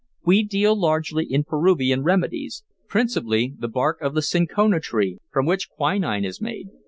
We deal largely in Peruvian remedies, principally the bark of the cinchona tree, from which quinine is made.